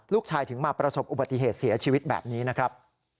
ถึงมาประสบอุบัติเหตุเสียชีวิตแบบนี้นะครับ